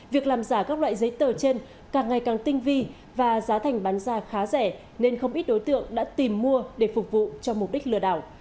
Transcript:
việc làm giả các loại giấy tờ trên càng ngày càng tinh vi và giá thành bán ra khá rẻ nên không ít đối tượng đã tìm mua để phục vụ cho mục đích lừa đảo